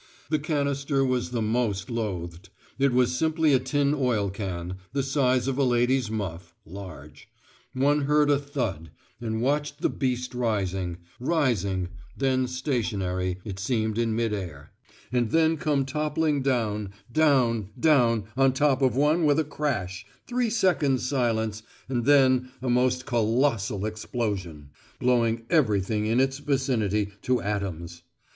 The canister was the most loathed. It was simply a tin oil can, the size of a lady's muff (large); one heard a thud, and watched the beast rising, rising, then stationary, it seemed, in mid air, and then come toppling down, down, down on top of one with a crash three seconds' silence and then a most colossal explosion, blowing everything in its vicinity to atoms.